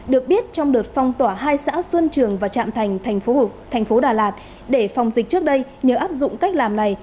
được biết trong đợt phong tỏa hai xã xuân trường và trạm thành phố thành phố đà lạt để phòng dịch trước đây nhờ áp dụng cách làm này